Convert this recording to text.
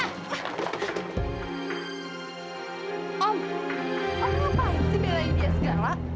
om om ngapain sih belain dia segala